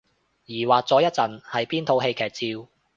疑惑咗一陣係邊套戲劇照